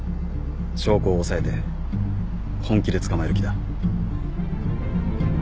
証拠を押さえて本気で捕まえる気だ。